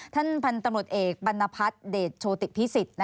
ท่านพันธุ์ตำรวจเอกบรรณพัฒน์เดชโชติพิสิทธิ์